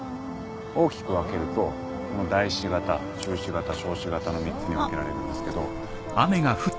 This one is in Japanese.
大きく分けるとこの大歯型中歯型小歯型の３つに分けられるんですけど。